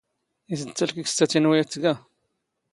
ⵉⵙ ⴷ ⵜⴰⵍⴽⵉⴽⵙⵜ ⴰ ⵜⵉⵏⵓ ⴰⴷ ⵜⴳⴰ?